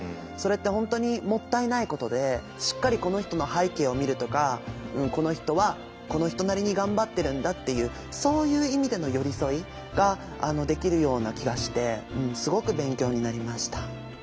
それって本当にもったいないことでしっかりこの人の背景を見るとかこの人はこの人なりに頑張ってるんだっていうそういう意味での寄り添いができるような気がしてすごく勉強になりました。